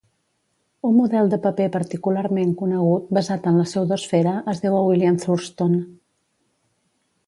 Un model de paper particularment conegut basat en la pseudoesfera es deu a William Thurston.